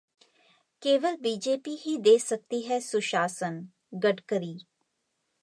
केवल बीजेपी ही दे सकती है सुशासन: गडकरी